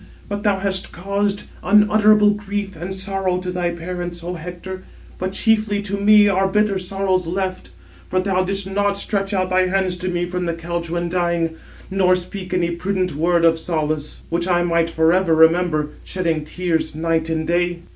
But thou hast caused unutterable grief and sorrow to thy parents, O Hector, but chiefly to me are bitter sorrows left. For thou didst not stretch out thy hands to me from the couch when dying; nor speak any prudent word [of solace], which I might for ever remember, shedding tears night and day."